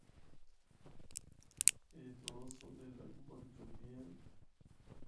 اے دو سو دے لگ بھک جھگیاں ہن۔